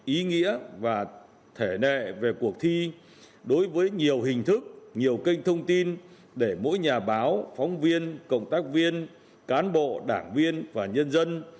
ý nghĩa và thể nệ về cuộc thi đối với nhiều hình thức nhiều kênh thông tin để mỗi nhà báo phóng viên cộng tác viên cán bộ đảng viên và nhân dân